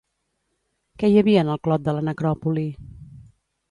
Què hi havia en el clot de la necròpoli?